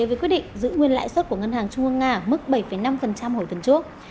với quyết định giữ nguyên lại xuất của ngân hàng trung ương nga mức bảy năm hồi tuần trước